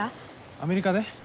アメリカで？